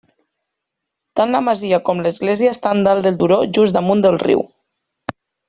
Tant la masia com l'església estan dalt del turó, just damunt del riu.